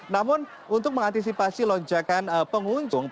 namun untuk mengantisipasi lonjakan pengunjung